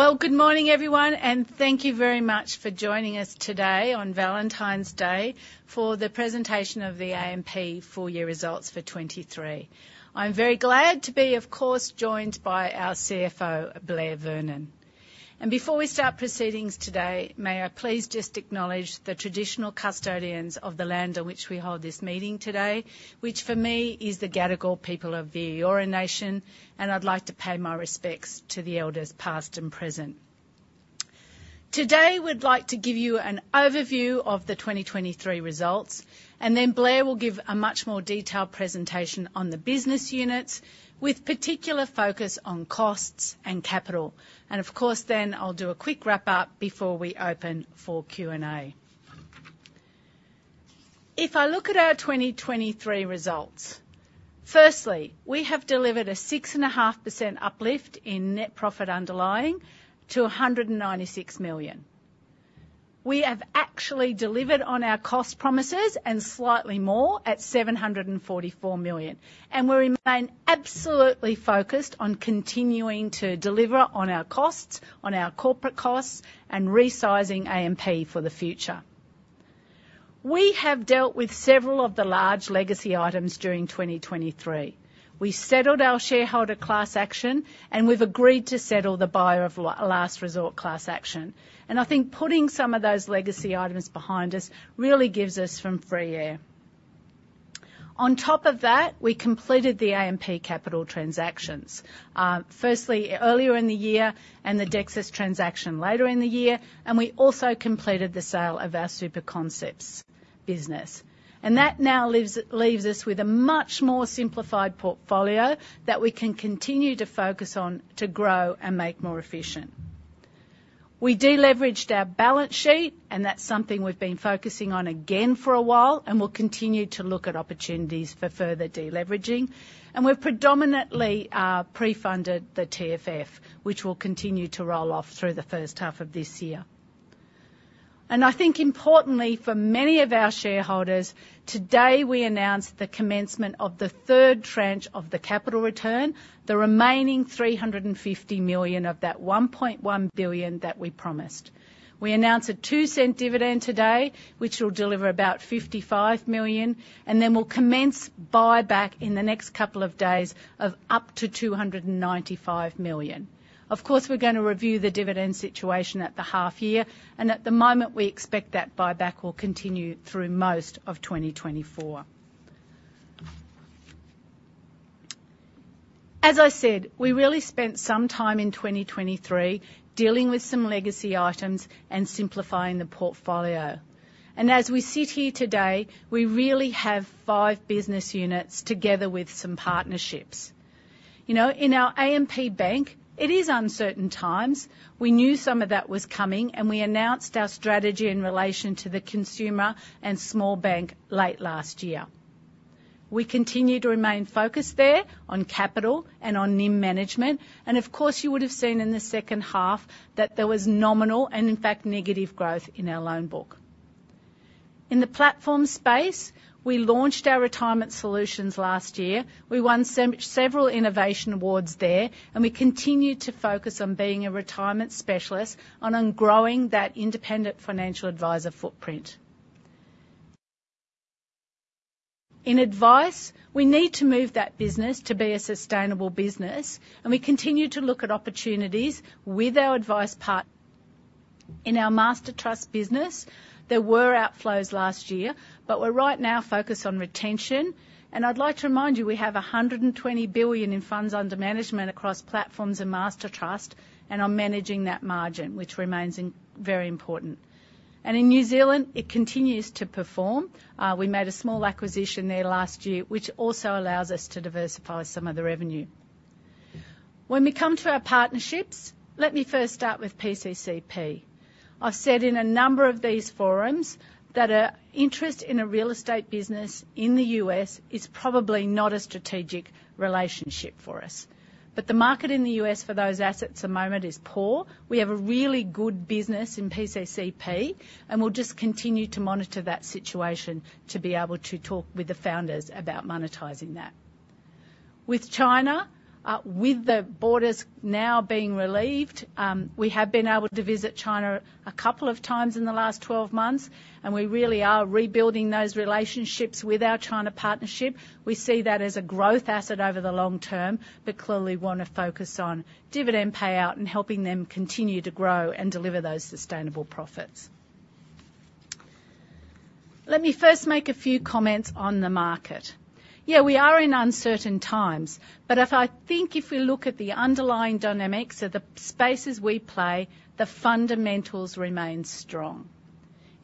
Well, good morning, everyone, and thank you very much for joining us today on Valentine's Day for the presentation of the AMP Full Year Results for 2023. I'm very glad to be, of course, joined by our CFO, Blair Vernon. And before we start proceedings today, may I please just acknowledge the traditional custodians of the land on which we hold this meeting today, which for me, is the Gadigal people of the Eora Nation, and I'd like to pay my respects to the elders, past and present. Today, we'd like to give you an overview of the 2023 results, and then Blair will give a much more detailed presentation on the business units, with particular focus on costs and capital. And of course, then I'll do a quick wrap-up before we open for Q&A. If I look at our 2023 results, firstly, we have delivered a 6.5% uplift in net profit underlying to $196 million. We have actually delivered on our cost promises and slightly more at $744 million, and we remain absolutely focused on continuing to deliver on our costs, on our corporate costs, and resizing AMP for the future. We have dealt with several of the large legacy items during 2023. We settled our shareholder class action, and we've agreed to settle the Buyer of last resort class action. I think putting some of those legacy items behind us really gives us some clear air. On top of that, we completed the AMP Capital transactions. Firstly, earlier in the year and the Dexus transaction later in the year, and we also completed the sale of our SuperConcepts business. That now leaves us with a much more simplified portfolio that we can continue to focus on to grow and make more efficient. We deleveraged our balance sheet, and that's something we've been focusing on again for a while, and we'll continue to look at opportunities for further deleveraging. We've predominantly pre-funded the TFF, which will continue to roll off through the first half of this year. I think importantly for many of our shareholders, today, we announced the commencement of the third tranche of the capital return, the remaining $350 million of that $1.1 billion that we promised. We announced an $0.02 dividend today, which will deliver about $55 million, and then we'll commence buyback in the next couple of days of up to $295 million. Of course, we're gonna review the dividend situation at the half year, and at the moment, we expect that buyback will continue through most of 2024. As I said, we really spent some time in 2023 dealing with some legacy items and simplifying the portfolio. And as we sit here today, we really have five business units together with some partnerships. You know, in our AMP Bank, it is uncertain times. We knew some of that was coming, and we announced our strategy in relation to the consumer and small bank late last year. We continue to remain focused there on capital and NIM management, and of course, you would have seen in the second half that there was nominal and, in fact, negative growth in our loan book. In the platform space, we launched our retirement solutions last year. We won several innovation awards there, and we continued to focus on being a retirement specialist and on growing that independent financial advisor footprint. In Advice, we need to move that business to be a sustainable business, and we continue to look at opportunities with our Advice. In our master trust business, there were outflows last year, but we're right now focused on retention. I'd like to remind you, we have $120 billion in funds under management across platforms and master trust, and are managing that margin, which remains very important. And in New Zealand, it continues to perform. We made a small acquisition there last year, which also allows us to diversify some of the revenue. When we come to our partnerships, let me first start with PCCP. I've said in a number of these forums that an interest in a real estate business in the US is probably not a strategic relationship for us. But the market in the US for those assets at the moment is poor. We have a really good business in PCCP, and we'll just continue to monitor that situation to be able to talk with the founders about monetizing that. With China, with the borders now being relieved, we have been able to visit China a couple of times in the last 12 months, and we really are rebuilding those relationships with our China partnership. We see that as a growth asset over the long term, but clearly want to focus on dividend payout and helping them continue to grow and deliver those sustainable profits. Let me first make a few comments on the market. Yeah, we are in uncertain times, but if I think if we look at the underlying dynamics of the spaces we play, the fundamentals remain strong.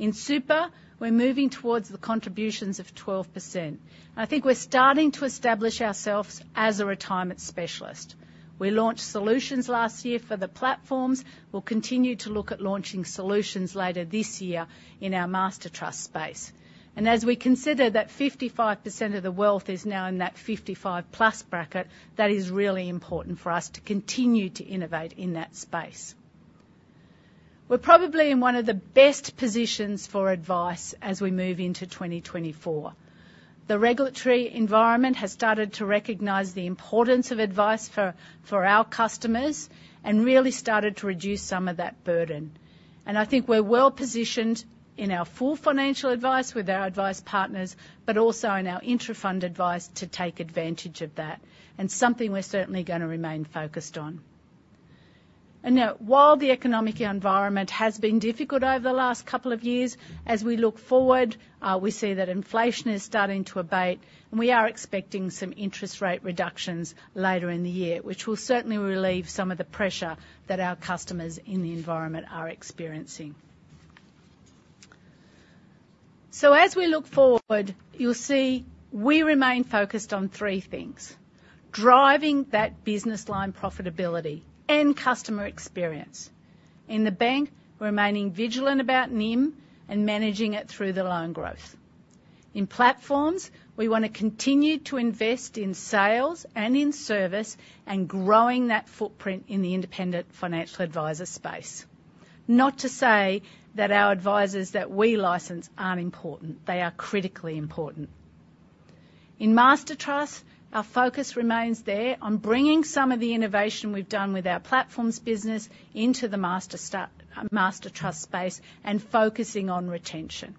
In Super, we're moving towards the contributions of 12%. I think we're starting to establish ourselves as a retirement specialist. We launched solutions last year for the platforms. We'll continue to look at launching solutions later this year in our master trust space. As we consider that 55% of the wealth is now in that 55+ bracket, that is really important for us to continue to innovate in that space. We're probably in one of the best positions for advice as we move into 2024. The regulatory environment has started to recognize the importance of advice for, for our customers and really started to reduce some of that burden. I think we're well positioned in our full financial advice with our advice partners, but also in our intrafund advice, to take advantage of that, and something we're certainly going to remain focused on. Now, while the economic environment has been difficult over the last couple of years, as we look forward, we see that inflation is starting to abate, and we are expecting some interest rate reductions later in the year, which will certainly relieve some of the pressure that our customers in the environment are experiencing. So as we look forward, you'll see we remain focused on three things: driving that business line profitability and customer experience. In the bank, remaining vigilant about NIM and managing it through the loan growth. In Platforms, we want to continue to invest in sales and in service, and growing that footprint in the independent financial advisor space. Not to say that our advisors that we license aren't important, they are critically important. In Mastertrust, our focus remains there on bringing some of the innovation we've done with our Platforms business into the Mastertrust space and focusing on retention.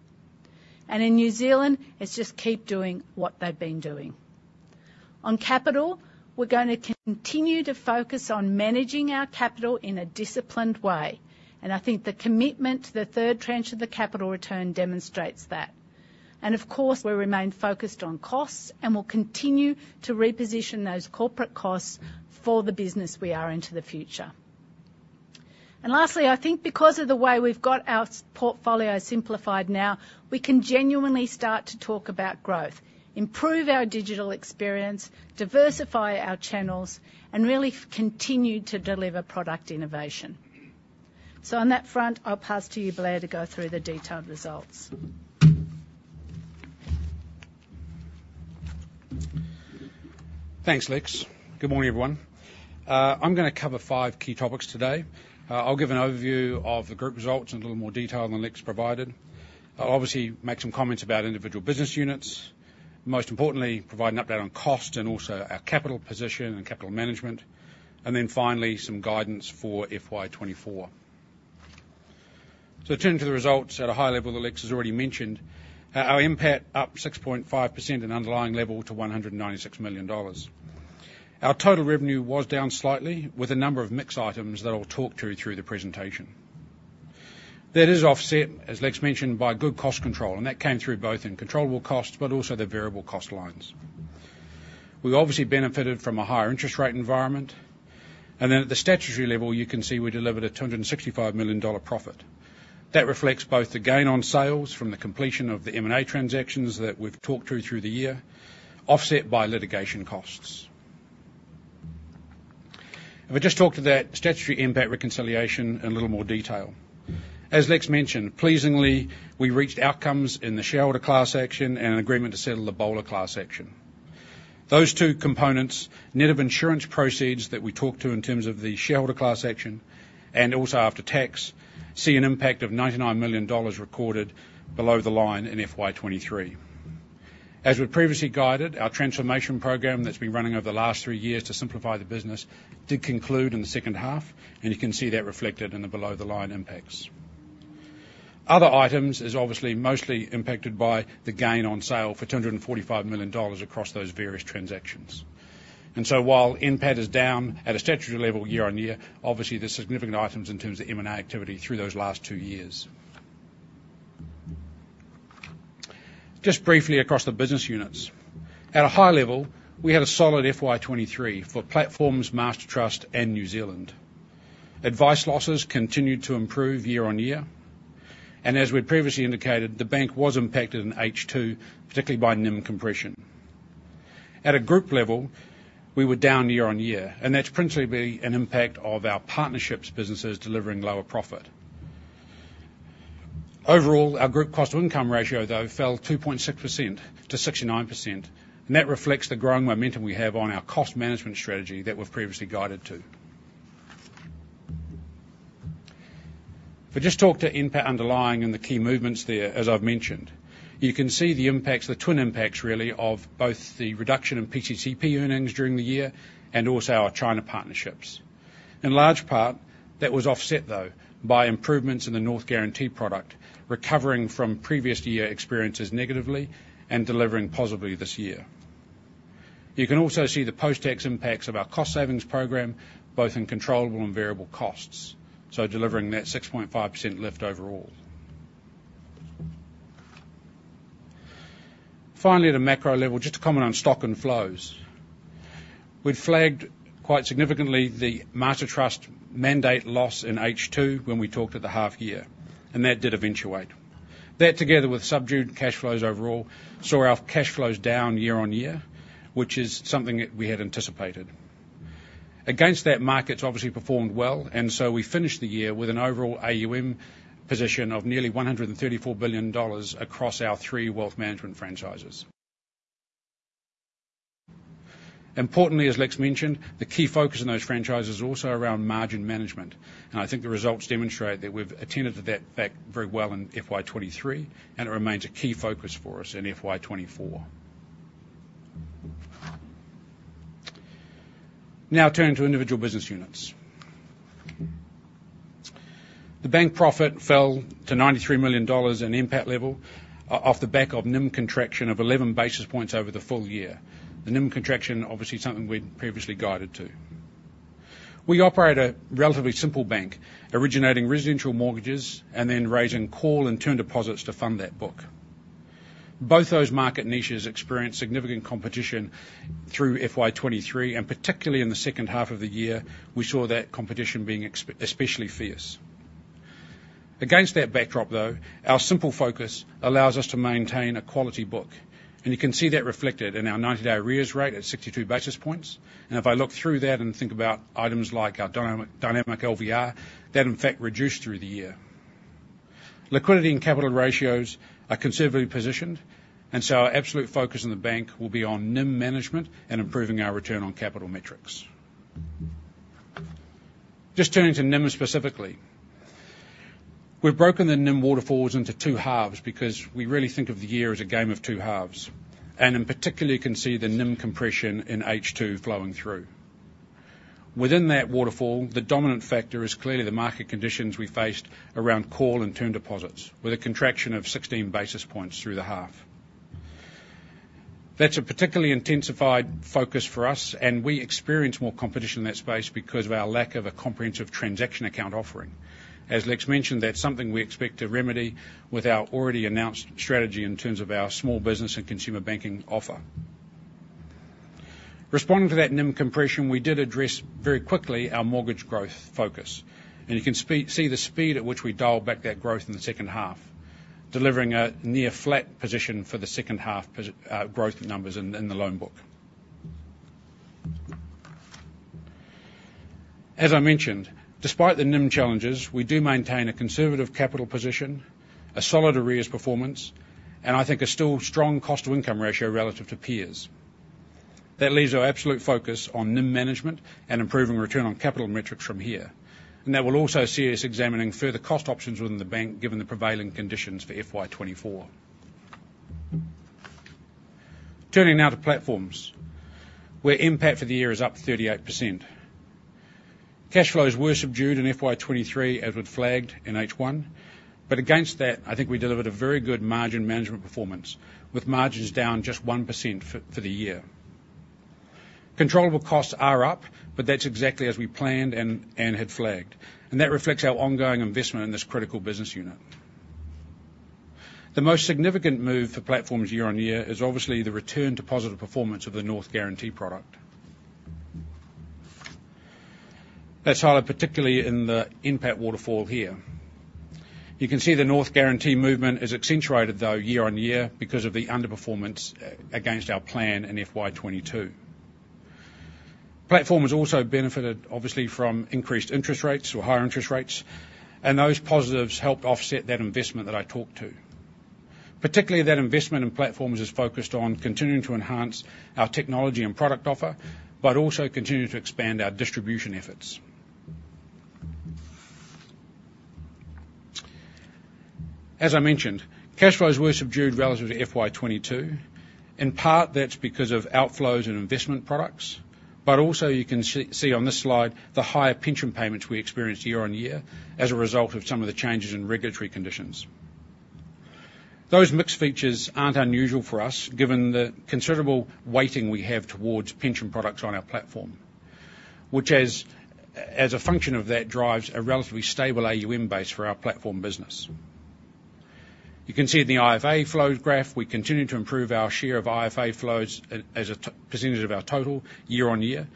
And in New Zealand, it's just keep doing what they've been doing. On capital, we're going to continue to focus on managing our capital in a disciplined way, and I think the commitment to the third tranche of the capital return demonstrates that. And of course, we remain focused on costs, and we'll continue to reposition those corporate costs for the business we are into the future. And lastly, I think because of the way we've got our portfolio simplified now, we can genuinely start to talk about growth, improve our digital experience, diversify our channels, and really continue to deliver product innovation. So on that front, I'll pass to you, Blair, to go through the detailed results. Thanks, Lex. Good morning, everyone. I'm going to cover five key topics today. I'll give an overview of the group results in a little more detail than Lex provided. I'll obviously make some comments about individual business units, most importantly, provide an update on cost and also our capital position and capital management, and then finally, some guidance for FY 2024. So turning to the results at a high level that Lex has already mentioned, our NPAT up 6.5% in underlying level to $196 million. Our total revenue was down slightly, with a number of mixed items that I'll talk to you through the presentation. That is offset, as Lex mentioned, by good cost control, and that came through both in controllable costs, but also the variable cost lines. We obviously benefited from a higher interest rate environment. At the statutory level, you can see we delivered a $ 265 million profit. That reflects both the gain on sales from the completion of the M&A transactions that we've talked through, through the year, offset by litigation costs. If we just talk to that statutory NPAT reconciliation in a little more detail. As Lex mentioned, pleasingly, we reached outcomes in the shareholder class action and an agreement to settle the BOLR class action. Those two components, net of insurance proceeds that we talked to in terms of the shareholder class action and also after tax, see an impact of $ 99 million recorded below the line in FY 2023. As we previously guided, our transformation program that's been running over the last three years to simplify the business, did conclude in the second half, and you can see that reflected in the below-the-line impacts. Other items is obviously mostly impacted by the gain on sale for $245 million across those various transactions. And so while NPAT is down at a statutory level year-on-year, obviously, there's significant items in terms of M&A activity through those last two years. Just briefly, across the business units. At a high level, we had a solid FY 2023 for Platforms, Mastertrust, and New Zealand. Advice losses continued to improve year-on-year, and as we previously indicated, the bank was impacted in H2, particularly by NIM compression. At a group level, we were down year-on-year, and that's principally an impact of our partnerships businesses delivering lower profit. Overall, our group cost to income ratio, though, fell 2.6% to 69%, and that reflects the growing momentum we have on our cost management strategy that we've previously guided to. If we just talk to NPAT underlying and the key movements there, as I've mentioned. You can see the impacts, the twin impacts really, of both the reduction in PCCP earnings during the year and also our China partnerships. In large part, that was offset, though, by improvements in the North Guarantee product, recovering from previous year experiences negatively and delivering positively this year. You can also see the post-tax impacts of our cost savings program, both in controllable and variable costs, so delivering that 6.5% lift overall. Finally, at a macro level, just to comment on stock and flows. We've flagged quite significantly the Mastertrust mandate loss in H2 when we talked at the half year, and that did eventuate. That, together with subdued cash flows overall, saw our cash flows down year-on-year, which is something that we had anticipated. Against that, markets obviously performed well, and so we finished the year with an overall AUM position of nearly $134 billion across our three wealth management franchises. Importantly, as Lex mentioned, the key focus in those franchises is also around margin management, and I think the results demonstrate that we've attended to that fact very well in FY 2023, and it remains a key focus for us in FY 2024. Now turning to individual business units. The bank profit fell to $93 million in NPAT level, off the back of NIM contraction of 11 basis points over the full year. The NIM contraction, obviously something we'd previously guided to. We operate a relatively simple bank, originating residential mortgages and then raising call and term deposits to fund that book. Both those market niches experienced significant competition through FY 2023, and particularly in the second half of the year, we saw that competition being especially fierce. Against that backdrop, though, our simple focus allows us to maintain a quality book, and you can see that reflected in our 90-day arrears rate at 62 basis points. If I look through that and think about items like our dynamic LVR, that in fact reduced through the year. Liquidity and capital ratios are considerably positioned, and so our absolute focus on the bank will be on NIM management and improving our return on capital metrics. Just turning to NIM specifically. We've broken the NIM waterfalls into two halves because we really think of the year as a game of two halves, and in particular, you can see the NIM compression in H2 flowing through. Within that waterfall, the dominant factor is clearly the market conditions we faced around call and term deposits, with a contraction of 16 basis points through the half. That's a particularly intensified focus for us, and we experience more competition in that space because of our lack of a comprehensive transaction account offering. As Lex mentioned, that's something we expect to remedy with our already announced strategy in terms of our small business and consumer banking offer. Responding to that NIM compression, we did address very quickly our mortgage growth focus, and you can see the speed at which we dialed back that growth in the second half, delivering a near flat position for the second half growth numbers in the loan book. As I mentioned, despite the NIM challenges, we do maintain a conservative capital position, a solid arrears performance, and I think a still strong cost to income ratio relative to peers. That leaves our absolute focus on NIM management and improving return on capital metrics from here. And that will also see us examining further cost options within the bank, given the prevailing conditions for FY 2024. Turning now to platforms, where NPAT for the year is up 38%. Cash flows were subdued in FY 2023, as we'd flagged in H1, but against that, I think we delivered a very good margin management performance, with margins down just 1% for, for the year. Controllable costs are up, but that's exactly as we planned and, and had flagged, and that reflects our ongoing investment in this critical business unit. The most significant move for platforms year-on-year is obviously the return to positive performance of the North Guarantee product. That's highlighted particularly in the NPAT waterfall here. You can see the North Guarantee movement is accentuated, though, year-on-year because of the underperformance against our plan in FY 2022. Platform has also benefited, obviously, from increased interest rates or higher interest rates, and those positives helped offset that investment that I talked to. Particularly, that investment in platforms is focused on continuing to enhance our technology and product offer, but also continue to expand our distribution efforts. As I mentioned, cash flows were subdued relative to FY 2022. In part, that's because of outflows in investment products, but also you can see on this slide, the higher pension payments we experienced year on year as a result of some of the changes in regulatory conditions. Those mixed features aren't unusual for us, given the considerable weighting we have towards pension products on our platform, which as a function of that, drives a relatively stable AUM base for our platform business. You can see in the IFA flows graph, we continue to improve our share of IFA flows as a percentage of our total year-on-year,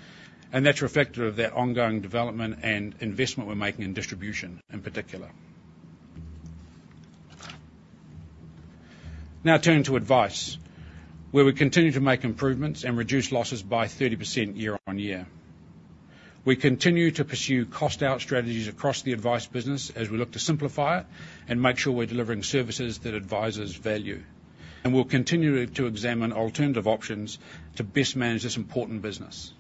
and that's reflective of that ongoing development and investment we're making in distribution, in particular. Now turning to Advice, where we continue to make improvements and reduce losses by 30% year-on-year. We continue to pursue cost out strategies across the Advice business as we look to simplify it and make sure we're delivering services that advisors value. And we'll continue to examine alternative options to best manage this important business.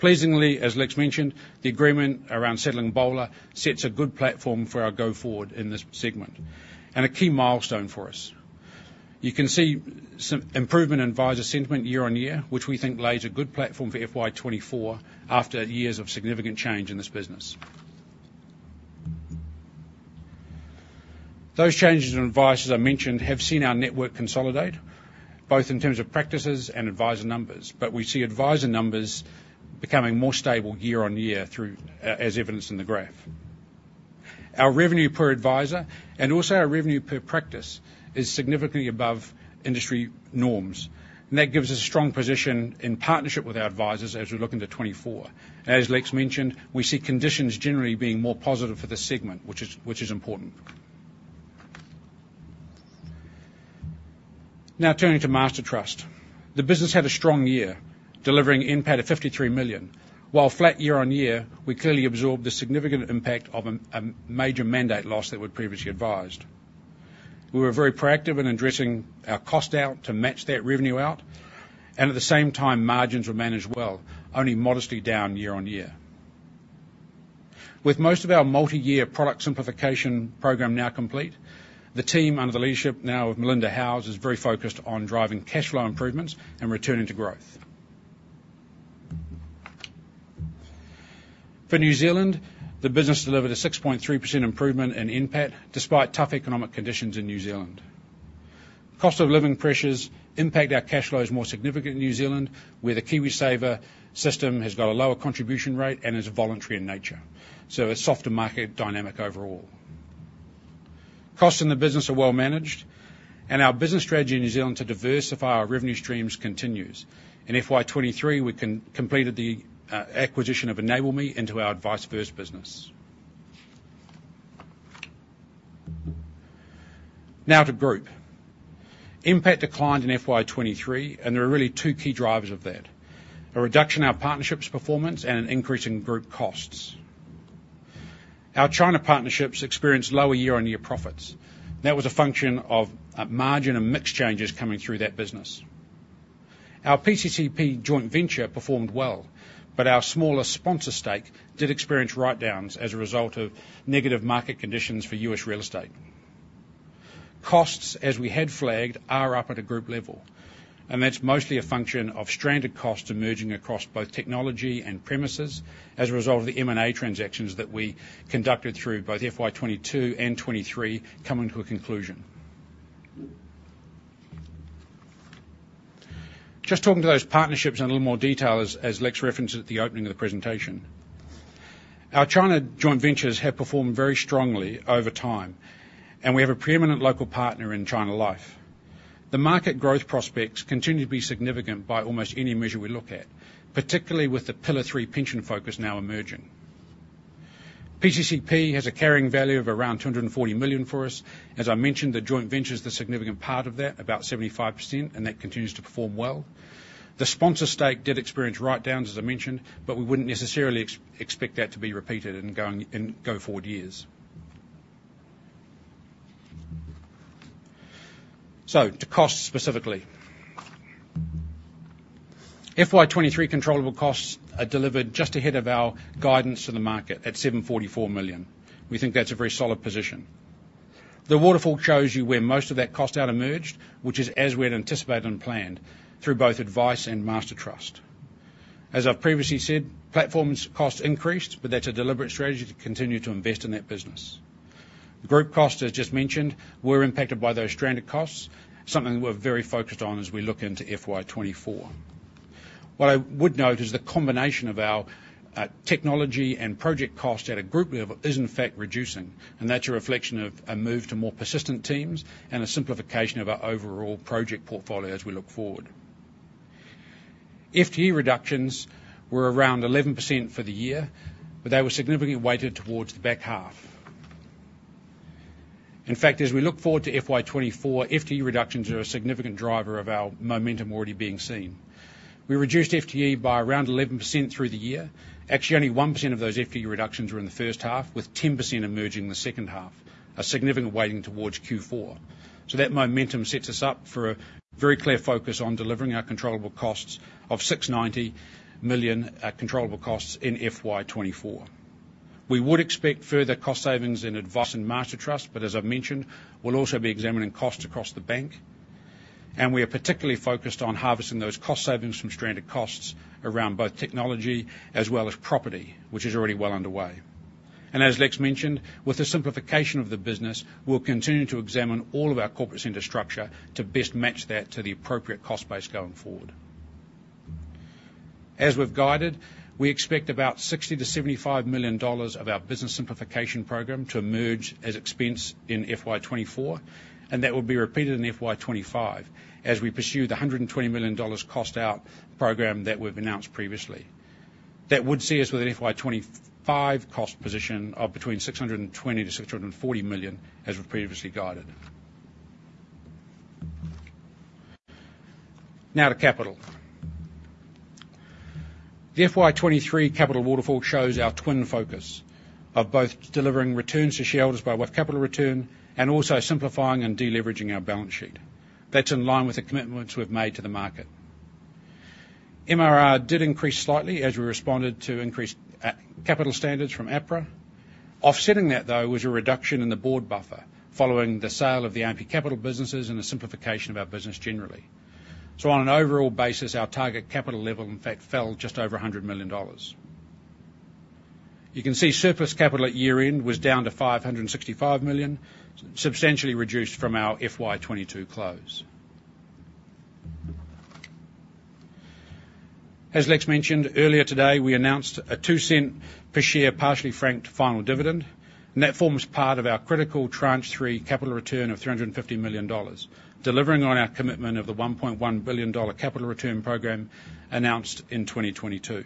Pleasingly, as Lex mentioned, the agreement around settling BOLR sets a good platform for our go forward in this segment, and a key milestone for us. You can see some improvement in advisor sentiment year-on-year, which we think lays a good platform for FY 2024 after years of significant change in this business. Those changes in Advice, as I mentioned, have seen our network consolidate, both in terms of practices and advisor numbers, but we see advisor numbers becoming more stable year-on-year through, as evidenced in the graph. Our revenue per advisor and also our revenue per practice is significantly above industry norms, and that gives us a strong position in partnership with our advisors as we look into 2024. As Lex mentioned, we see conditions generally being more positive for this segment, which is important. Now, turning to Mastertrust. The business had a strong year, delivering NPAT of $53 million. While flat year-on-year, we clearly absorbed the significant impact of a major mandate loss that we'd previously advised. We were very proactive in addressing our cost out to match that revenue out, and at the same time, margins were managed well, only modestly down year-on-year. With most of our multi-year product simplification program now complete, the team, under the leadership now of Melinda Howes, is very focused on driving cash flow improvements and returning to growth. For New Zealand, the business delivered a 6.3% improvement in NPAT, despite tough economic conditions in New Zealand. Cost of living pressures impact our cash flows more significant in New Zealand, where the KiwiSaver system has got a lower contribution rate and is voluntary in nature. So a softer market dynamic overall. Costs in the business are well managed, and our business strategy in New Zealand to diversify our revenue streams continues. In FY 2023, we completed the acquisition have enable into our AdviceFirst business. Now to group. NPAT declined in FY 23, and there are really two key drivers of that: a reduction in our partnerships performance and an increase in group costs. Our China partnerships experienced lower year-on-year profits. That was a function of margin and mix changes coming through that business. Our PCCP joint venture performed well, but our smaller sponsor stake did experience write-downs as a result of negative market conditions for US real estate. Costs, as we had flagged, are up at a group level, and that's mostly a function of stranded costs emerging across both technology and premises as a result of the M&A transactions that we conducted through both FY 22 and 23 coming to a conclusion. Just talking to those partnerships in a little more detail, as Lex referenced at the opening of the presentation. Our China joint ventures have performed very strongly over time, and we have a preeminent local partner in China Life. The market growth prospects continue to be significant by almost any measure we look at, particularly with the Pillar Three Pension focus now emerging. PCCP has a carrying value of around $240 million for us. As I mentioned, the joint venture is a significant part of that, about 75%, and that continues to perform well. The sponsor stake did experience write-downs, as I mentioned, but we wouldn't necessarily expect that to be repeated in going-forward years. So to costs specifically. FY 2023 controllable costs are delivered just ahead of our guidance to the market at $744 million. We think that's a very solid position. The waterfall shows you where most of that cost out emerged, which is as we had anticipated and planned through both Advice and Mastertrust. As I've previously said, platforms cost increased, but that's a deliberate strategy to continue to invest in that business. Group costs, as just mentioned, were impacted by those stranded costs, something we're very focused on as we look into FY 2024. What I would note is the combination of our technology and project cost at a group level is in fact reducing, and that's a reflection of a move to more persistent teams and a simplification of our overall project portfolio as we look forward. FTE reductions were around 11% for the year, but they were significantly weighted towards the back half. In fact, as we look forward to FY 2024, FTE reductions are a significant driver of our momentum already being seen. We reduced FTE by around 11% through the year. Actually, only 1% of those FTE reductions were in the first half, with 10% emerging in the second half, a significant weighting towards Q4. So that momentum sets us up for a very clear focus on delivering our controllable costs of $690 million, controllable costs in FY 2024. We would expect further cost savings in Advice and Mastertrust, but as I've mentioned, we'll also be examining costs across the bank, and we are particularly focused on harvesting those cost savings from stranded costs around both technology as well as property, which is already well underway. And as Lex mentioned, with the simplification of the business, we'll continue to examine all of our corporate center structure to best match that to the appropriate cost base going forward. As we've guided, we expect about $60 million to 75 million of our business simplification program to emerge as expense in FY 2024, and that will be repeated in FY 2025 as we pursue the $120 million cost out program that we've announced previously. That would see us with an FY 2025 cost position of between $620 million to 640 million, as we've previously guided. Now to capital. The FY 2023 capital waterfall shows our twin focus of both delivering returns to shareholders by way of capital return and also simplifying and de-leveraging our balance sheet. That's in line with the commitments we've made to the market. MRR did increase slightly as we responded to increased capital standards from APRA. Offsetting that, though, was a reduction in the board buffer following the sale of the AMP Capital businesses and the simplification of our business generally. So on an overall basis, our target capital level in fact fell just over $100 million. You can see surplus capital at year-end was down to $565 million, substantially reduced from our FY 2022 close. As Lex mentioned earlier today, we announced a $0.02 per share, partially franked final dividend, and that forms part of our critical Tranche 3 capital return of $350 million, delivering on our commitment of the $1.1 billion capital return program announced in 2022.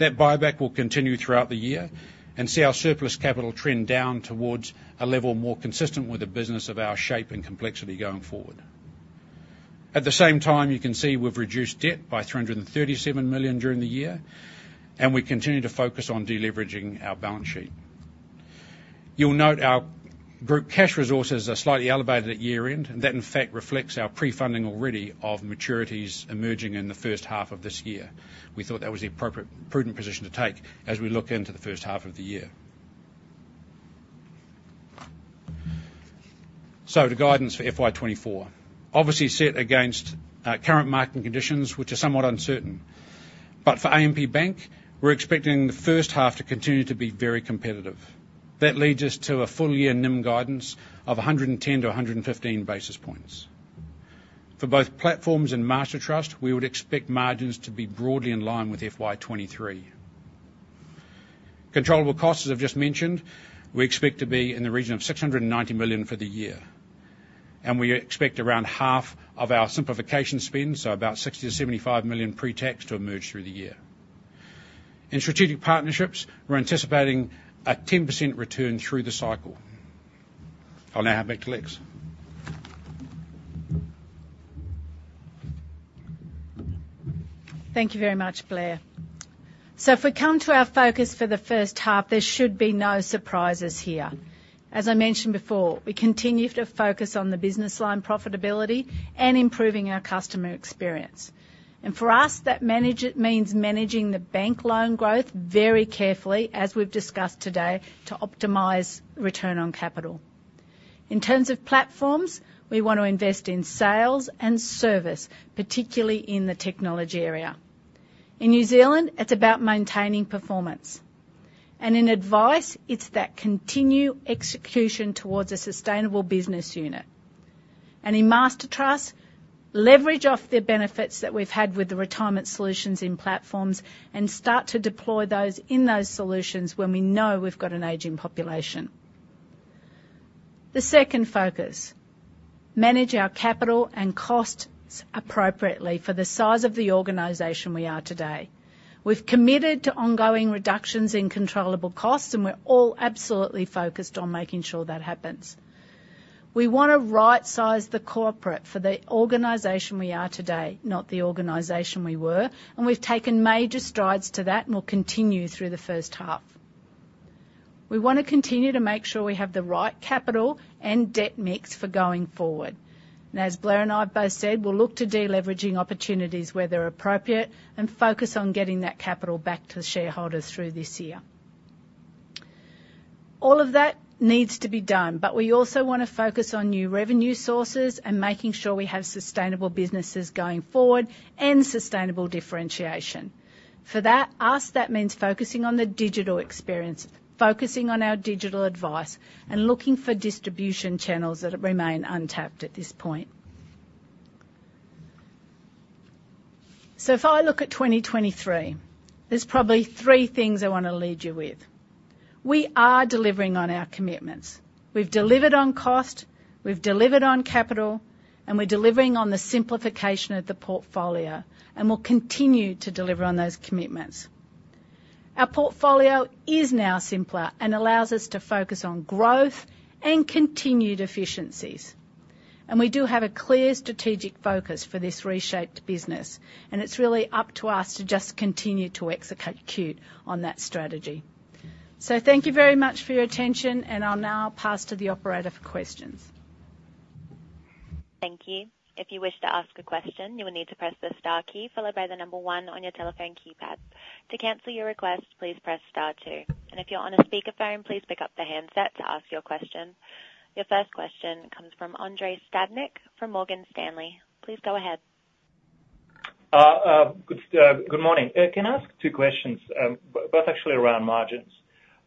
That buyback will continue throughout the year and see our surplus capital trend down towards a level more consistent with the business of our shape and complexity going forward. At the same time, you can see we've reduced debt by $337 million during the year, and we continue to focus on deleveraging our balance sheet. You'll note our group cash resources are slightly elevated at year-end, and that, in fact, reflects our pre-funding already of maturities emerging in the first half of this year. We thought that was the appropriate, prudent position to take as we look into the first half of the year. So the guidance for FY 2024. Obviously, set against current market conditions, which are somewhat uncertain. But for AMP Bank, we're expecting the first half to continue to be very competitive. That leads us to a full year NIM guidance of 110 to 115 basis points. For both platforms and Mastertrust, we would expect margins to be broadly in line with FY 2023. Controllable costs, as I've just mentioned, we expect to be in the region of $690 million for the year, and we expect around half of our simplification spend, so about $60 million to 75 million pre-tax, to emerge through the year. In strategic partnerships, we're anticipating a 10% return through the cycle. I'll now hand back to Lex. Thank you very much, Blair. So if we come to our focus for the first half, there should be no surprises here. As I mentioned before, we continue to focus on the business line profitability and improving our customer experience. And for us, that management means managing the bank loan growth very carefully, as we've discussed today, to optimize return on capital. In terms of platforms, we want to invest in sales and service, particularly in the technology area. In New Zealand, it's about maintaining performance. And in Advice, it's that continued execution towards a sustainable business unit. And in Mastertrust, leverage off the benefits that we've had with the retirement solutions in platforms, and start to deploy those in those solutions when we know we've got an aging population. The second focus: manage our capital and costs appropriately for the size of the organization we are today. We've committed to ongoing reductions in controllable costs, and we're all absolutely focused on making sure that happens. We want to rightsize the corporate for the organization we are today, not the organization we were, and we've taken major strides to that, and we'll continue through the first half. We want to continue to make sure we have the right capital and debt mix for going forward. And as Blair and I have both said, we'll look to deleveraging opportunities where they're appropriate and focus on getting that capital back to the shareholders through this year. All of that needs to be done, but we also want to focus on new revenue sources and making sure we have sustainable businesses going forward and sustainable differentiation. For that, us, that means focusing on the digital experience, focusing on our digital advice, and looking for distribution channels that remain untapped at this point. So if I look at 2023, there's probably three things I want to lead you with. We are delivering on our commitments. We've delivered on cost, we've delivered on capital, and we're delivering on the simplification of the portfolio, and we'll continue to deliver on those commitments. Our portfolio is now simpler and allows us to focus on growth and continued efficiencies. And we do have a clear strategic focus for this reshaped business, and it's really up to us to just continue to execute, execute on that strategy. So thank you very much for your attention, and I'll now pass to the operator for questions. Thank you. If you wish to ask a question, you will need to press the star key followed by the number one on your telephone keypad. To cancel your request, please press star two. And if you're on a speakerphone, please pick up the handset to ask your question. Your first question comes from Andrei Stadnik from Morgan Stanley. Please go ahead. Good morning. Can I ask two questions, both actually around margins?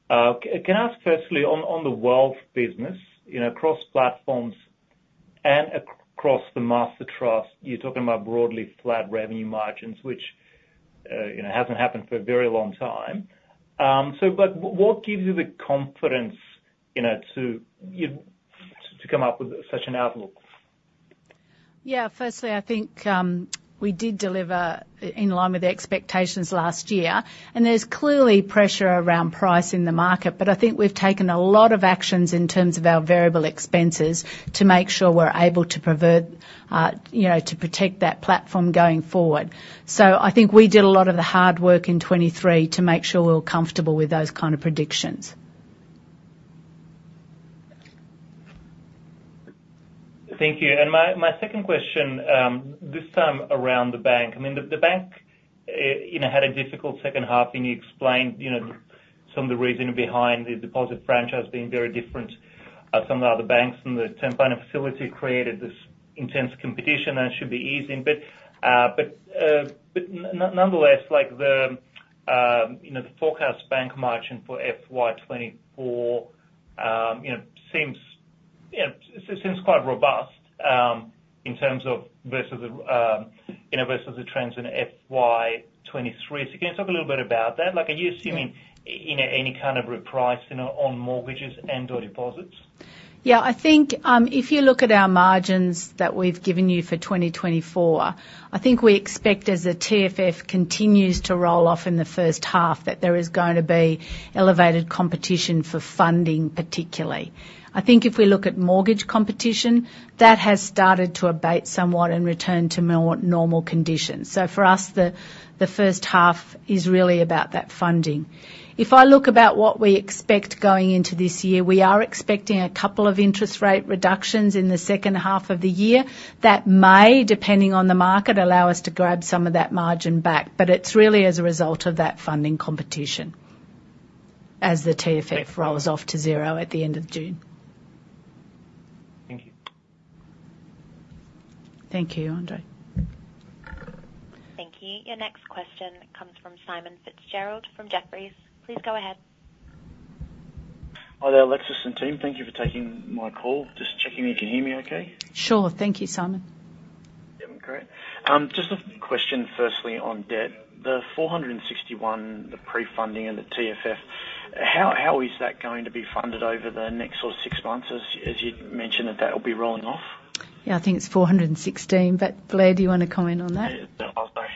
Can I ask firstly on the wealth business, you know, across platforms and across the Mastertrust, you're talking about broadly flat revenue margins, which, you know, hasn't happened for a very long time. So but what gives you the confidence, you know, to come up with such an outlook? Yeah, firstly, I think we did deliver in line with the expectations last year, and there's clearly pressure around price in the market, but I think we've taken a lot of actions in terms of our variable expenses to make sure we're able to prevent, you know, to protect that platform going forward. So I think we did a lot of the hard work in 2023 to make sure we're comfortable with those kind of predictions. Thank you. And my second question, this time around the bank. I mean, the bank, you know, had a difficult second half, and you explained, you know, some of the reasoning behind the deposit franchise being very different, some of the other banks from the term funding facility created this intense competition, and it should be easing. But nonetheless, like, you know, the forecast bank margin for FY 2024, you know, seems quite robust, in terms of versus the trends in FY 2023. So can you talk a little bit about that? Like, are you assuming, you know, any kind of reprice, you know, on mortgages and/or deposits? Yeah, I think, if you look at our margins that we've given you for 2024, I think we expect, as the TFF continues to roll off in the first half, that there is going to be elevated competition for funding, particularly. I think if we look at mortgage competition, that has started to abate somewhat and return to normal conditions. So for us, the first half is really about that funding. If I look about what we expect going into this year, we are expecting a couple of interest rate reductions in the second half of the year. That may, depending on the market, allow us to grab some of that margin back, but it's really as a result of that funding competition as the TFF rolls off to zero at the end of June. Thank you. Thank you, Andrei. Thank you. Your next question comes from Simon Fitzgerald from Jefferies. Please go ahead. Hi there, Alexis and team. Thank you for taking my call. Just checking in. You can hear me okay? Sure. Thank you, Simon. Yeah, great. Just a question firstly on debt. The $461, the pre-funding and the TFF, how is that going to be funded over the next sort of six months, as you mentioned, that will be rolling off? Yeah, I think it's $416, but Blair, do you want to comment on that? Yeah, I'll say,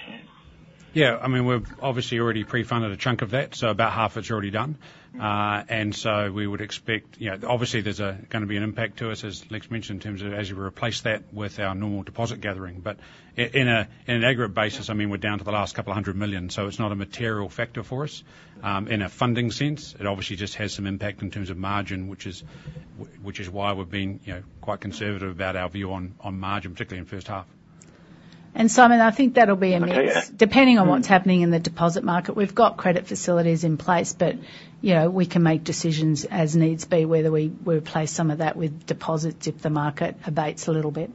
yeah. Yeah, I mean, we've obviously already pre-funded a chunk of that, so about half it's already done. And so we would expect, you know, obviously there's going to be an impact to us, as Lex mentioned, in terms of as we replace that with our normal deposit gathering. But in an aggregate basis, I mean, we're down to the last couple of hundred million, so it's not a material factor for us, in a funding sense. It obviously just has some impact in terms of margin, which is why we're being, you know, quite conservative about our view on margin, particularly in first half. Simon, I think that'll be a mix. Okay, yeah. Depending on what's happening in the deposit market. We've got credit facilities in place, but, you know, we can make decisions as needs be, whether we replace some of that with deposits if the market abates a little bit.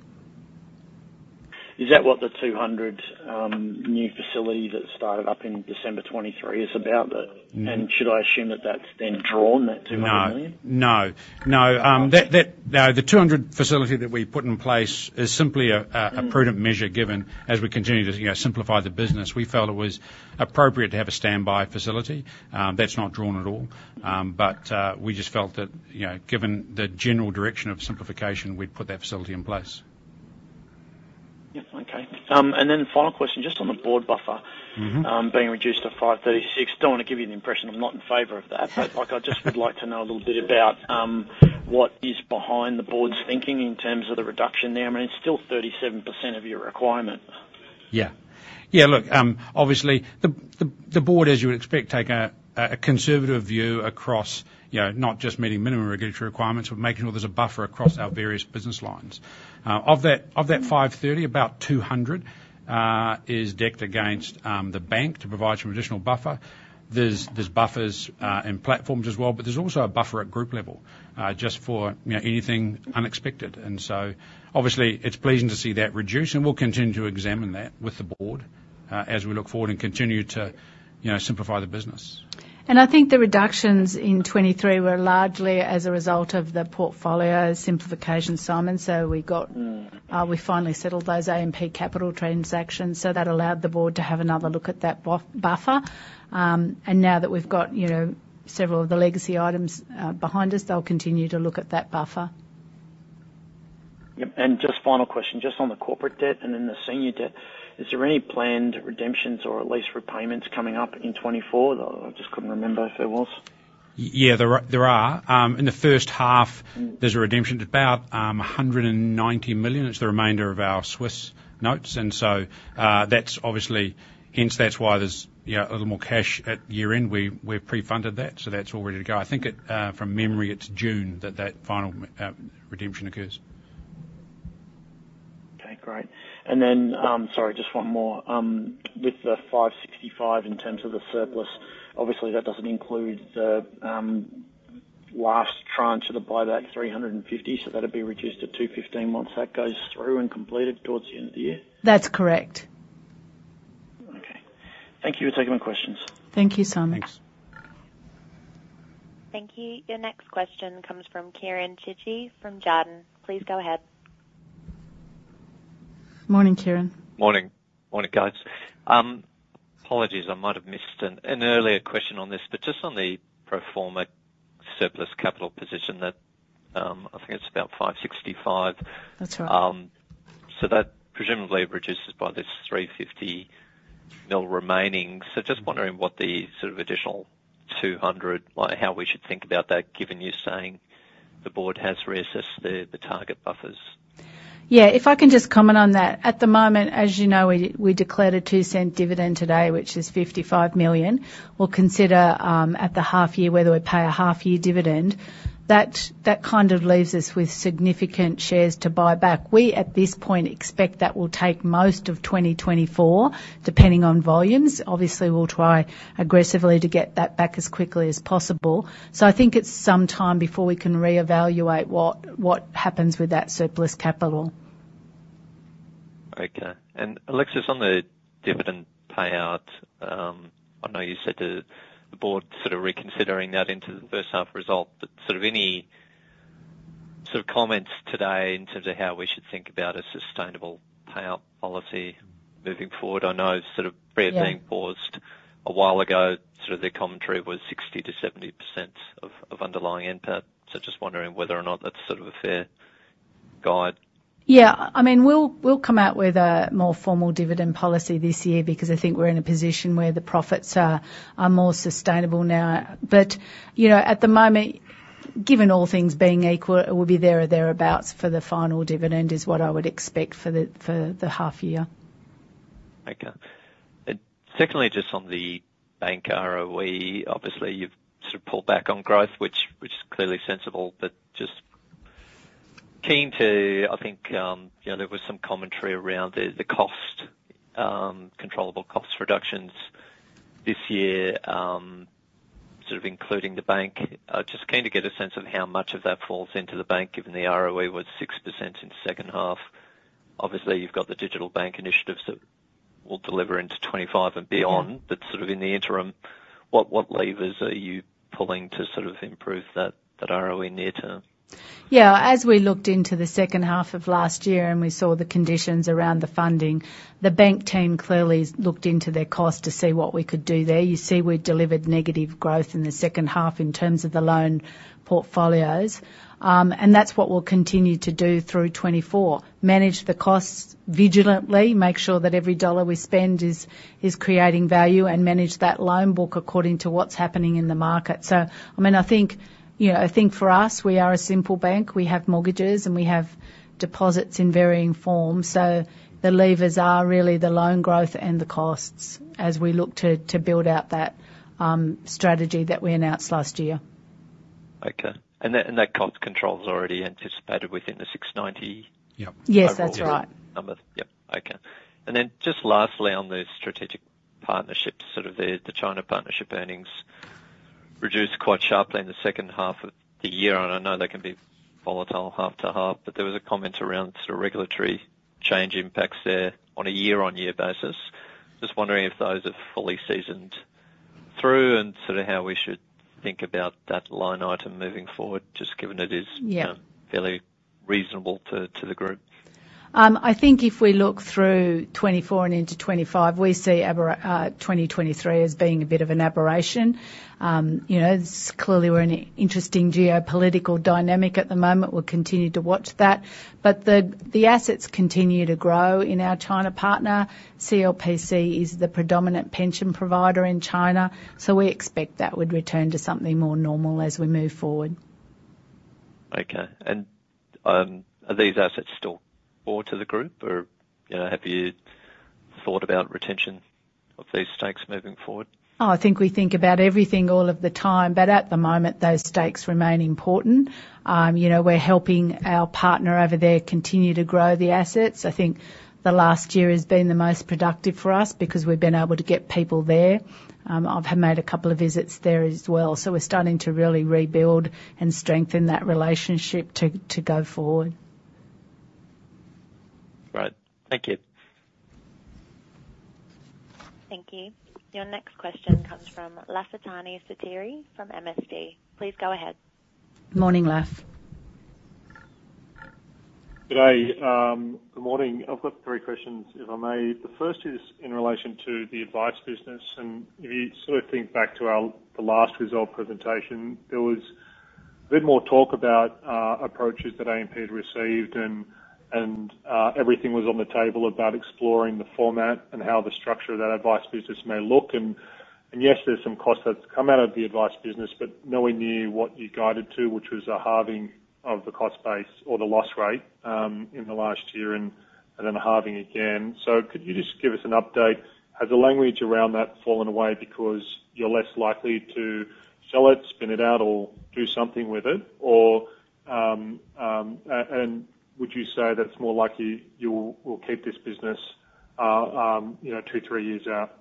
Is that what the 200 new facility that started up in December 2023 is about the, should I assume that that's then drawn, that $200 million? No, no, the 200 facility that we put in place is simply a prudent measure, given as we continue to, you know, simplify the business, we felt it was appropriate to have a standby facility. That's not drawn at all. But we just felt that, you know, given the general direction of simplification, we'd put that facility in place. Yep. Okay, and then final question, just on the board buffer- Mm-hmm. Being reduced to $536. Don't want to give you the impression I'm not in favor of that, but, like, I just would like to know a little bit about what is behind the board's thinking in terms of the reduction there. I mean, it's still 37% of your requirement. Yeah. Yeah, look, obviously the board, as you would expect, take a conservative view across, you know, not just meeting minimum regulatory requirements, but making sure there's a buffer across our various business lines. Of that $530, about $200 is backed against the bank to provide some additional buffer. There's buffers in platforms as well, but there's also a buffer at group level, just for, you know, anything unexpected. And so obviously it's pleasing to see that reduce, and we'll continue to examine that with the board, as we look forward and continue to, you know, simplify the business. I think the reductions in 2023 were largely as a result of the portfolio simplification, Simon. So we got, we finally settled those AMP Capital transactions, so that allowed the board to have another look at that buffer. Now that we've got, you know, several of the legacy items behind us, they'll continue to look at that buffer. Yep. And just final question, just on the corporate debt and then the senior debt, is there any planned redemptions or at least repayments coming up in 2024? I just couldn't remember if there was. Yeah, there are. In the first half, there's a redemption about $190 million. It's the remainder of our Swiss notes, and so that's obviously. Hence, that's why there's, you know, a little more cash at year-end. We've pre-funded that, so that's all ready to go. I think, from memory, it's June that that final redemption occurs. Okay, great. And then, sorry, just one more. With the $565, in terms of the surplus, obviously that doesn't include the last tranche of the buyback, $350. So that'll be reduced to $215 once that goes through and completed towards the end of the year? That's correct. Okay. Thank you for taking my questions. Thank you, Simon. Thanks. Thank you. Your next question comes from Kieran Chidgey from Jarden. Please go ahead. Morning, Kieran. Morning. Morning, guys. Apologies, I might have missed an earlier question on this, but just on the pro forma surplus capital position, that I think it's about $565. That's right. So that presumably reduces by this $350 still remaining. So just wondering what the sort of additional $200, like, how we should think about that, given you're saying the board has reassessed the target buffers. Yeah, if I can just comment on that. At the moment, as you know, we declared a $0.02 dividend today, which is $55 million. We'll consider at the half year whether we pay a half year dividend. That kind of leaves us with significant shares to buy back. We at this point expect that will take most of 2024, depending on volumes. Obviously, we'll try aggressively to get that back as quickly as possible. So I think it's some time before we can reevaluate what happens with that surplus capital. Okay. And Alexis, on the dividend payout, I know you said the board sort of reconsidering that into the first half result, but sort of any sort of comments today in terms of how we should think about a sustainable payout policy moving forward? I know it's sort of briefly paused. A while ago, sort of their commentary was 60% to 70% of underlying NPAT. So just wondering whether or not that's sort of a fair guide? Yeah. I mean, we'll come out with a more formal dividend policy this year, because I think we're in a position where the profits are more sustainable now. But, you know, at the moment, given all things being equal, it will be there or thereabouts for the final dividend, is what I would expect for the half year. Okay. And secondly, just on the bank ROE, obviously, you've sort of pulled back on growth, which is clearly sensible, but just keen to... I think, you know, there was some commentary around the cost controllable cost reductions this year, sort of including the bank. I'm just keen to get a sense of how much of that falls into the bank, given the ROE was 6% in the second half. Obviously, you've got the digital bank initiatives that will deliver into 2025 and beyond. But sort of in the interim, what levers are you pulling to sort of improve that ROE near term? Yeah, as we looked into the second half of last year, and we saw the conditions around the funding, the bank team clearly looked into their cost to see what we could do there. You see, we delivered negative growth in the second half in terms of the loan portfolios. And that's what we'll continue to do through 2024. Manage the costs vigilantly, make sure that every dollar we spend is creating value, and manage that loan book according to what's happening in the market. So, I mean, I think, you know, I think for us, we are a simple bank. We have mortgages, and we have deposits in varying forms, so the levers are really the loan growth and the costs as we look to build out that strategy that we announced last year. Okay. That cost control is already anticipated within the $690- Yeah. Yes, that's right. Number. Yep. Okay. And then just lastly, on the strategic partnerships, sort of the China partnership earnings reduced quite sharply in the second half of the year, and I know they can be volatile half to half, but there was a comment around sort of regulatory change impacts there on a year-on-year basis. Just wondering if those are fully seasoned through, and sort of how we should think about that line item moving forward, just given it is- Yeah fairly reasonable to the group. I think if we look through 2024 and into 2025, we see 2023 as being a bit of an aberration. You know, clearly, we're in an interesting geopolitical dynamic at the moment. We'll continue to watch that. But the assets continue to grow in our China partner. CLPC is the predominant pension provider in China, so we expect that would return to something more normal as we move forward. Okay. And, are these assets still core to the group? Or, you know, have you thought about retention of these stakes moving forward? Oh, I think we think about everything all of the time, but at the moment, those stakes remain important. You know, we're helping our partner over there continue to grow the assets. I think the last year has been the most productive for us because we've been able to get people there. I've made a couple of visits there as well, so we're starting to really rebuild and strengthen that relationship to, to go forward. Right. Thank you. Thank you. Your next question comes from Lafitani Sotiriou from MST. Please go ahead. Morning, Laf. Good day, good morning. I've got three questions, if I may. The first is in relation to the advice business, and if you sort of think back to our, the last result presentation, there was a bit more talk about approaches that AMP had received, and everything was on the table about exploring the format and how the structure of that advice business may look. And yes, there's some costs that's come out of the advice business, but knowing you, what you guided to, which was a halving of the cost base or the loss rate in the last year and then a halving again. So could you just give us an update? Has the language around that fallen away because you're less likely to sell it, spin it out, or do something with it? Would you say that it's more likely you will keep this business, you know two to three years out?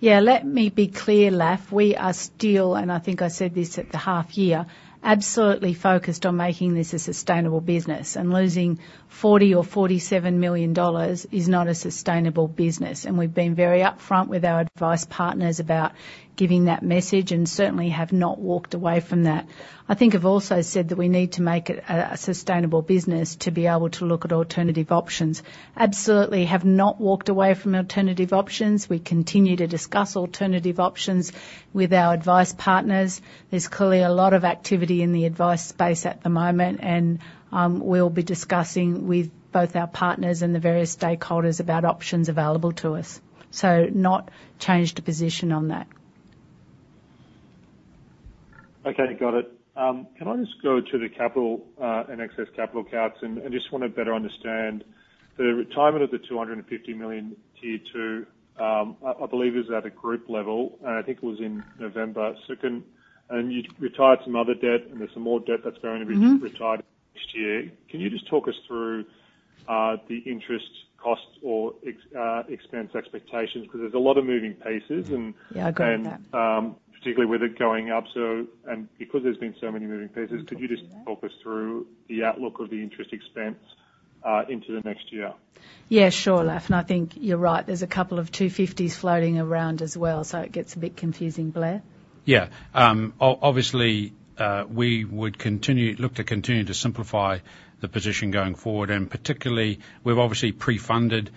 Yeah, let me be clear, Laf. We are still, and I think I said this at the half year, absolutely focused on making this a sustainable business. And losing $40 million or $47 million is not a sustainable business. And we've been very upfront with our advice partners about giving that message and certainly have not walked away from that. I think I've also said that we need to make it a sustainable business to be able to look at alternative options. Absolutely have not walked away from alternative options. We continue to discuss alternative options with our advice partners. There's clearly a lot of activity in the advice space at the moment, and we'll be discussing with both our partners and the various stakeholders about options available to us. So not changed the position on that. Okay, got it. Can I just go to the capital and excess capital caps? I just want to better understand the retirement of the $250 million T2. I believe it is at a group level, and I think it was in November 2nd. You retired some other debt, and there's some more debt that's going to be- Mm-hmm. -retired next year. Can you just talk us through the interest costs or expense expectations? Because there's a lot of moving pieces, and- Yeah, I agree with that. Particularly with it going up. So, and because there's been so many moving pieces- Mm-hmm. Could you just talk us through the outlook of the interest expense? Into the next year? Yeah, sure, Laf. And I think you're right, there's a couple of $250's floating around as well, so it gets a bit confusing. Blair? Yeah. Obviously, we would look to continue to simplify the position going forward. And particularly, we've obviously pre-funded already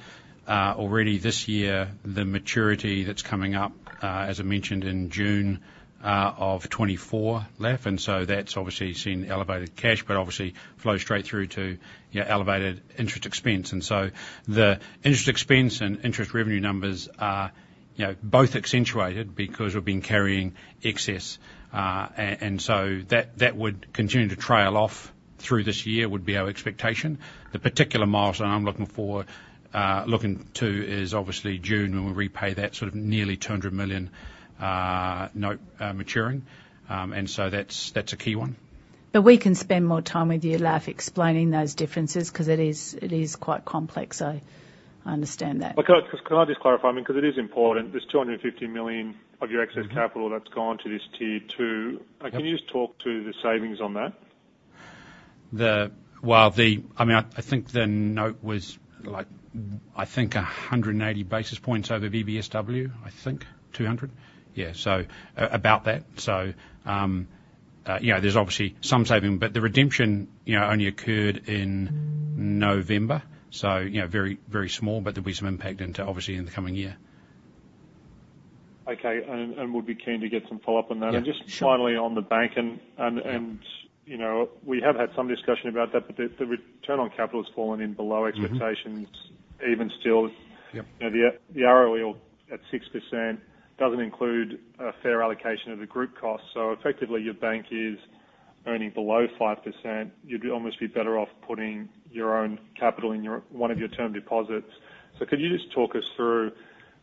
this year the maturity that's coming up, as I mentioned in June of 2024, TFF. And so that's obviously seen elevated cash, but obviously flow straight through to, you know, elevated interest expense. And so the interest expense and interest revenue numbers are, you know, both accentuated because we've been carrying excess. And so that would continue to trail off through this year, would be our expectation. The particular milestone I'm looking for is obviously June, when we repay that sort of nearly $200 million note maturing. And so that's a key one. But we can spend more time with you, Laf, explaining those differences, 'cause it is, it is quite complex, so I understand that. Can I, can I just clarify? I mean, 'cause it is important. There's $250 million of your excess capital- Mm-hmm. that's gone to this Tier 2. Yep. Can you just talk to the savings on that? I mean, I think the note was, like, I think $180 basis points over BBSW, I think, $200? Yeah, so about that. So, you know, there's obviously some saving, but the redemption, you know, only occurred in November. So, you know, very, very small, but there'll be some impact into, obviously, in the coming year. Okay, and we'll be keen to get some follow-up on that. Yeah. And just finally, on the bank. Yeah... you know, we have had some discussion about that, but the return on capital has fallen in below expectations- Mm-hmm -even still. Yep. You know, the ROE at 6% doesn't include a fair allocation of the group cost. So effectively, your bank is earning below 5%. You'd almost be better off putting your own capital in one of your term deposits. So could you just talk us through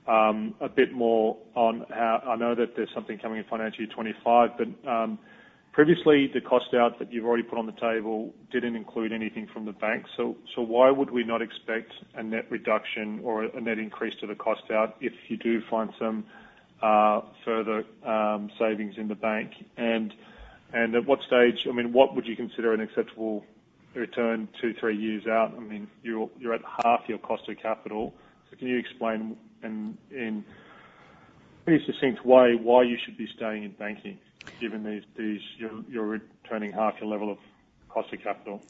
a bit more on how... I know that there's something coming in financial year 2025, but previously, the cost out that you've already put on the table didn't include anything from the bank. So why would we not expect a net reduction or a net increase to the cost out if you do find some further savings in the bank? And at what stage, I mean, what would you consider an acceptable return two, three years out? I mean, you're at half your cost of capital. Can you explain in a pretty succinct way why you should be staying in banking, given these? You're returning half your level of cost of capital?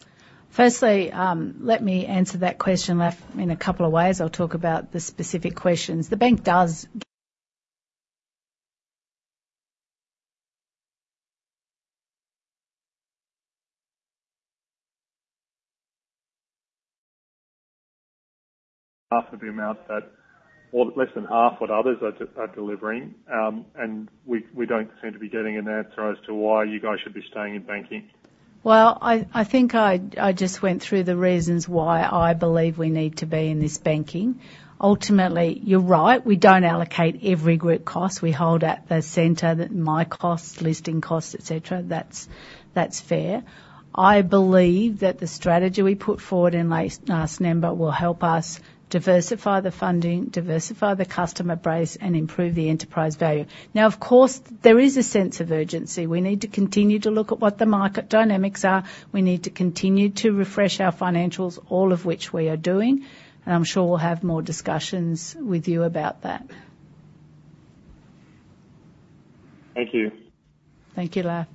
Firstly, let me answer that question, Laf, in a couple of ways. I'll talk about the specific questions. The bank does- half of the amount that, or less than half what others are delivering. And we don't seem to be getting an answer as to why you guys should be staying in banking? Well, I think I just went through the reasons why I believe we need to be in this banking. Ultimately, you're right, we don't allocate every group cost. We hold at the center the my cost, listing costs, et cetera. That's fair. I believe that the strategy we put forward in last November will help us diversify the funding, diversify the customer base, and improve the enterprise value. Now, of course, there is a sense of urgency. We need to continue to look at what the market dynamics are. We need to continue to refresh our financials, all of which we are doing, and I'm sure we'll have more discussions with you about that. Thank you. Thank you, Laf.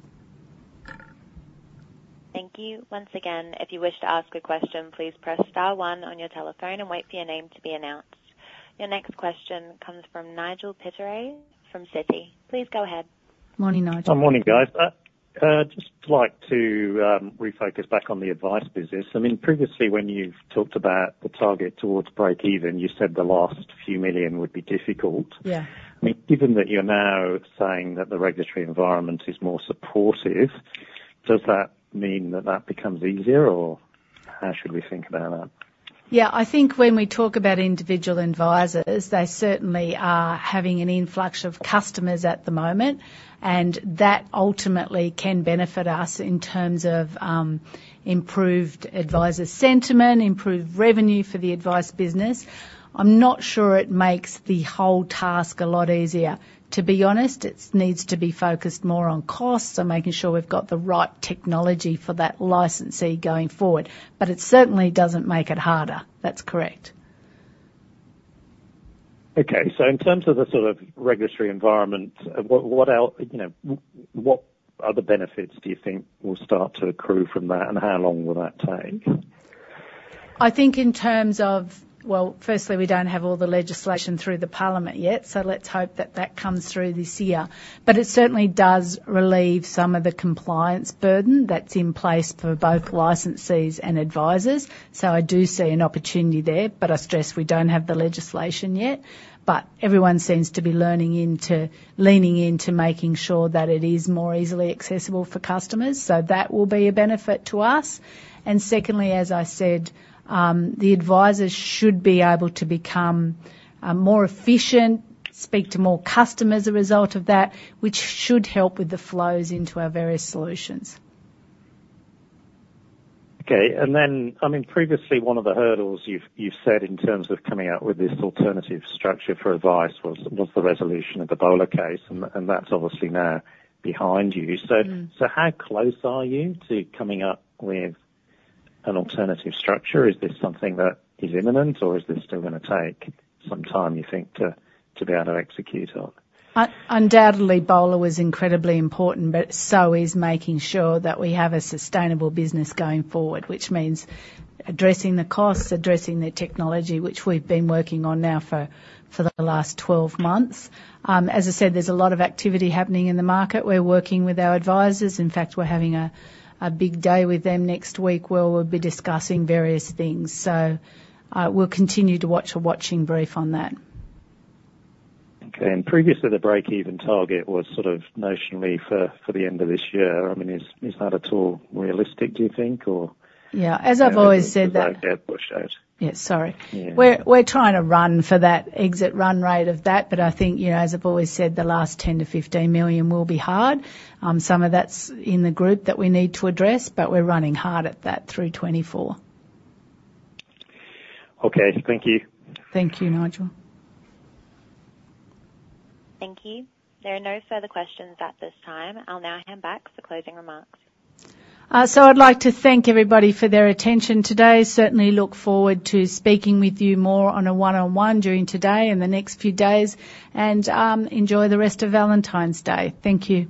Thank you. Once again, if you wish to ask a question, please press star one on your telephone and wait for your name to be announced. Your next question comes from Nigel Pittaway from Citi. Please go ahead. Morning, Nigel. Good morning, guys. Just like to refocus back on the advice business. I mean, previously, when you've talked about the target towards break even, you said the last few million would be difficult. Yeah. I mean, given that you're now saying that the regulatory environment is more supportive, does that mean that that becomes easier, or how should we think about that? Yeah, I think when we talk about individual advisors, they certainly are having an influx of customers at the moment, and that ultimately can benefit us in terms of, improved advisor sentiment, improved revenue for the advice business. I'm not sure it makes the whole task a lot easier. To be honest, it's needs to be focused more on cost, so making sure we've got the right technology for that licensee going forward. But it certainly doesn't make it harder. That's correct. Okay. So in terms of the sort of regulatory environment, what, what else, you know, what other benefits do you think will start to accrue from that, and how long will that take? I think in terms of, well, firstly, we don't have all the legislation through the Parliament yet, so let's hope that that comes through this year. But it certainly does relieve some of the compliance burden that's in place for both licensees and advisors, so I do see an opportunity there. But I stress we don't have the legislation yet. But everyone seems to be leaning into making sure that it is more easily accessible for customers, so that will be a benefit to us. And secondly, as I said, the advisors should be able to become more efficient, speak to more customers as a result of that, which should help with the flows into our various solutions. Okay. And then, I mean, previously, one of the hurdles you've said in terms of coming up with this alternative structure for advice was the resolution of the BOLR case, and that's obviously now behind you. Mm. So, how close are you to coming up with an alternative structure? Is this something that is imminent, or is this still gonna take some time, you think, to be able to execute on? Undoubtedly, BOLR was incredibly important, but so is making sure that we have a sustainable business going forward, which means addressing the costs, addressing the technology, which we've been working on now for the last 12 months. As I said, there's a lot of activity happening in the market. We're working with our advisors. In fact, we're having a big day with them next week, where we'll be discussing various things. So, we'll continue to watch a watching brief on that. Okay. And previously, the break-even target was sort of notionally for the end of this year. I mean, is that at all realistic, do you think, or- Yeah, as I've always said that- Outpushed that. Yeah, sorry. Yeah. We're trying to run for that exit run rate of that, but I think, you know, as I've always said, the last $10 to 15 million will be hard. Some of that's in the group that we need to address, but we're running hard at that through 2024. Okay. Thank you. Thank you, Nigel. Thank you. There are no further questions at this time. I'll now hand back for closing remarks. So I'd like to thank everybody for their attention today. Certainly look forward to speaking with you more on a one-on-one during today and the next few days. Enjoy the rest of Valentine's Day. Thank you.